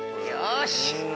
よし！